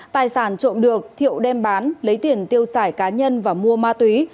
tài sản trộm được thiệu đem bán lấy tiền tiêu xài cá nhân và mua ma túy